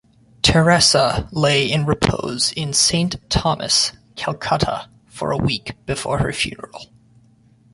Teresa lay in repose in Saint Thomas, Calcutta, for a week before her funeral.